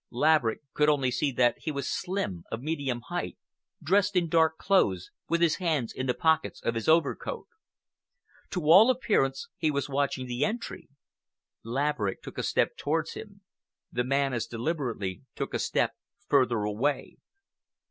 Laverick could only see that he was slim, of medium height, dressed in dark clothes, with his hands in the pockets of his overcoat. To all appearance, he was watching the entry. Laverick took a step towards him—the man as deliberately took a step further away.